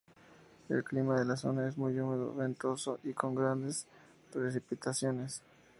El clima de la zona es muy húmedo, ventoso y con grandes precipitaciones.